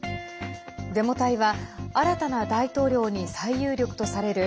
デモ隊は新たな大統領に最有力とされる